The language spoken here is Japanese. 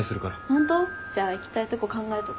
ホント？じゃあ行きたいとこ考えとく。